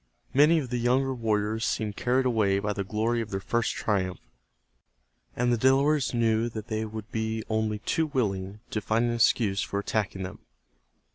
Many of the younger warriors seemed carried away by the glory of their first triumph, and the Delawares knew that they would be only too willing to find an excuse for attacking them.